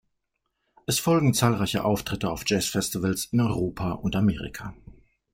Es folgen zahlreiche Auftritte auf Jazzfestivals in Europa und Amerika.